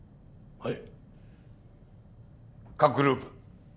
はい！